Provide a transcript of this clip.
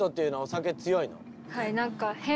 はい。